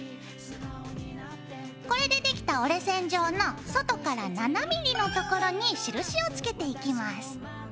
これでできた折れ線上の外から７ｍｍの所に印をつけていきます。